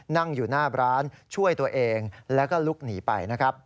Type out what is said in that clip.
นั่งอยู่หน้าร้านช่วยตัวเองแล้วก็ลุกหนีไปนะครับ